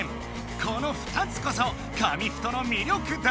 この２つこそ紙フトのみりょくだ。